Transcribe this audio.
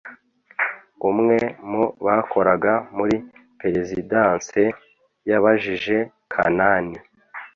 umwe mu bakoraga muri presidence yabajije kanani